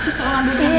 sus tolong ambil dia